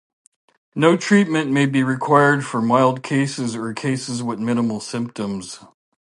No treatment may be required for mild cases or cases with minimal symptoms.